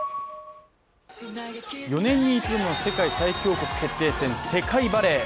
４年に一度の世界最強国決定戦世界バレー。